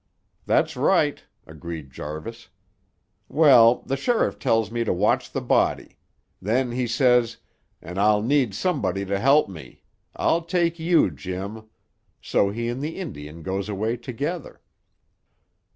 "That's right," agreed Jarvis. "Well, the sheriff tells me to watch the body. Then he says, 'An' I'll need somebody to help me. I'll take you, Jim.' So he an' the Indian goes away together."